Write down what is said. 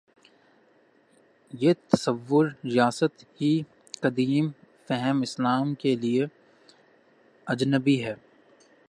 یہ تصور ریاست ہی قدیم فہم اسلام کے لیے اجنبی ہے۔